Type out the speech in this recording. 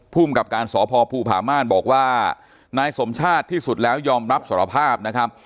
ภูมิกับการสพภูผาม่านบอกว่านายสมชาติที่สุดแล้วยอมรับสารภาพนะครับ